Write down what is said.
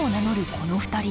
この２人。